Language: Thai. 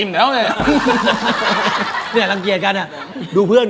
อิ่มแล้วเนี้ยเนี้ยรังเกียจกันอ่ะดูเพื่อน